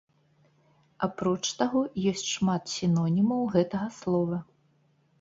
Апроч таго, ёсць шмат сінонімаў гэтага слова.